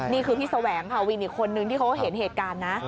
นี่คือพี่แสวงค่ะวินอีกคนนึงที่เขาเห็นเหตุการณ์นะ